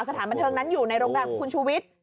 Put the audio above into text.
สถานบันเทิงนั้นอยู่ในโรงแรมคุณชูวิทย์